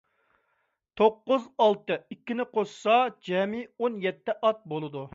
توققۇز، ئالتە، ئىككىنى قوشسا جەمئىي ئون يەتتە ئات بولىدۇ.